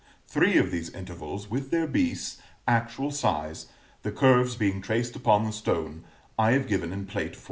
Three of these intervals, with their beasts, actual size, the curves being traced upon the stone, I have given in Plate XIV.